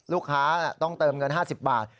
ลูกค้าต้องเติมเงิน๕๐บาท